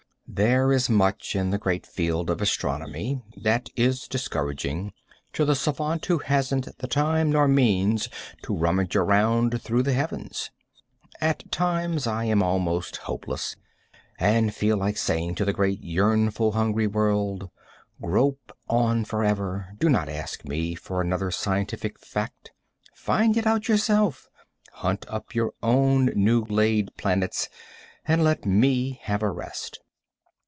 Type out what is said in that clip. There is much in the great field of astronomy that is discouraging to the savant who hasn't the time nor means to rummage around through the heavens. At times I am almost hopeless, and feel like saying to the great yearnful, hungry world: "Grope on forever. Do not ask me for another scientific fact. Find it out yourself. Hunt up your own new laid planets, and let me have a rest.